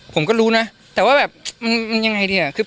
ผมก็รู้นะแต่ว่าแบบยังไงเดียว